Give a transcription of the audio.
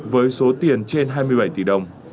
với số tiền trên hai mươi bảy tỷ đồng